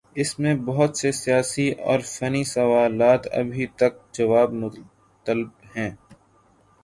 اس میں بہت سے سیاسی اور فنی سوالات ابھی تک جواب طلب ہیں۔